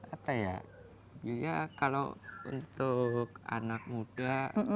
apa ya kalau untuk anak muda